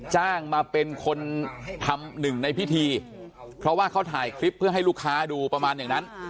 จ้างมาเป็นคนทำหนึ่งในพิธีเพราะว่าเขาถ่ายคลิปเพื่อให้ลูกค้าดูประมาณอย่างนั้น